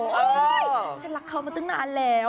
ฉันรักเขามาตั้งนานแล้ว